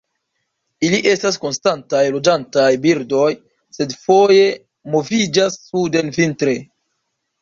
Ili estas konstantaj loĝantaj birdoj, sed foje moviĝas suden vintre.